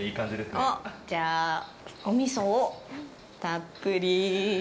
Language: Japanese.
おっ、じゃあ、お味噌をたっぷり！